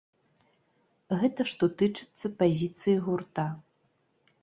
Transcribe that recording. Гэта што тычыцца пазіцыі гурта.